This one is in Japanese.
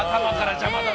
邪魔だな。